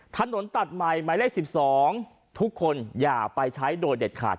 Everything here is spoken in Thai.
ถนนตัดใหม่หมายเลข๑๒ทุกคนอย่าไปใช้โดยเด็ดขาด